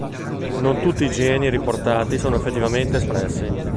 Non tutti i geni riportati sono effettivamente espressi.